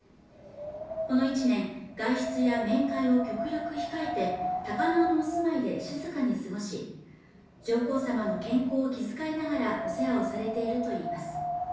この１年外出や面会を極力控えて高輪のお住まいで静かに過ごし上皇さまの健康を気遣いながらお世話をされているといいます